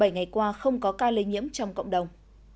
ba mươi bảy ngày qua không có ca lây nhiễm trong cộng đồng